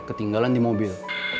ketinggalan di mobil